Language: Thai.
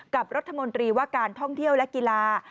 กับรัฐมนตรีว่าการท่องเที่ยวและกีฬา